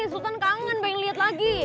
sultana kangen pengen liat lagi